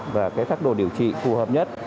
và các đồ điều trị phù hợp nhất